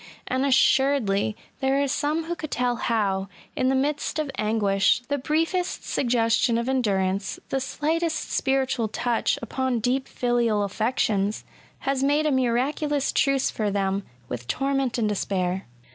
And assuredly there are some who could tell how, in the midst of anguish, the briefest suggestion of endurance, the slightest spiritual touch upon deep filial affections, has made a miraculous truce for them with torment and despair.